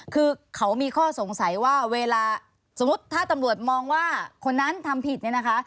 คือเขามีข้อสงสัยว่าเวลาสมมุติถ้าตำรวจมองว่าคนนั้นทำผิดเนี่ยนะคะ